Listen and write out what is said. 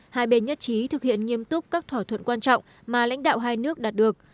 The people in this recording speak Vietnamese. hai bên nhất trí thực hiện nghiêm túc các thỏa thuận quan trọng mà lãnh đạo hai nước đạt được